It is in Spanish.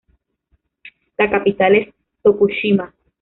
La capital es Tokushima.